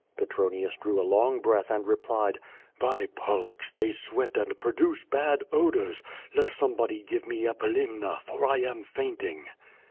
Petronius drew a long breath, and replied: "By Pollux! they sweat and produce bad odors. Let some body give me epilimna, for I am fainting."